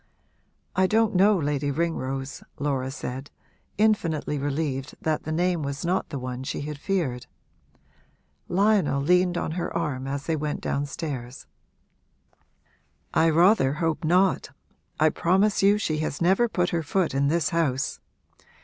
'I don't know Lady Ringrose,' Laura said, infinitely relieved that the name was not the one she had feared. Lionel leaned on her arm as they went downstairs. 'I rather hope not I promise you she has never put her foot in this house!